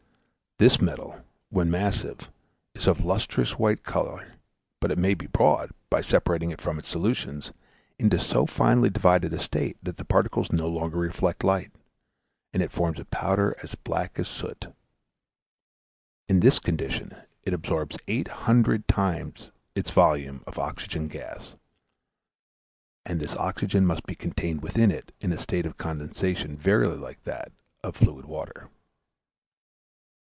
This metal, when massive, is of a lustrous white colour, but it may be brought, by separating it from its solutions, into so finely divided a state, that its particles no longer reflect light, and it forms a powder as black as soot. In this condition it absorbs eight hundred times its volume of oxygen gas, and this oxygen must be contained within it in a state of condensation very like that of fluid water.